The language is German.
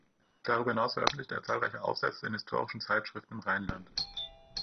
Darüber hinaus veröffentlichte er zahlreiche Aufsätze in historischen Zeitschriften im Rheinland.